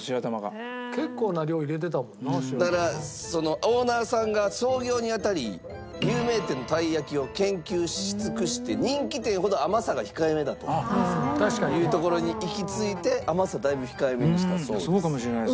オーナーさんが創業にあたり有名店のたい焼きを研究し尽くして人気店ほど甘さが控えめだというところに行き着いて甘さだいぶ控えめにしたそうです。